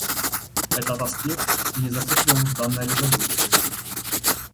Этот аспект не закреплен в данной резолюции.